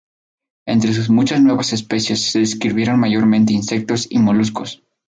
Entre sus muchas nuevas especies, se describieron mayormente insectos y moluscos.